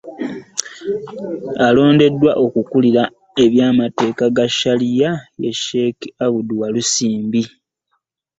Alondeddwa okukulira eby'amateeka ga Shariya ye Sheikh Abdul Walusimbi